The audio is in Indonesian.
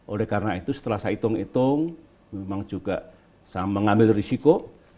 oleh karena itu setelah saya hitung hitung memang juga saya mengambil risiko